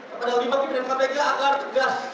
kepada lima pimpinan kpk agar tegas